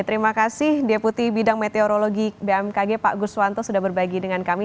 terima kasih deputi bidang meteorologi bmkg pak guswanto sudah berbagi dengan kami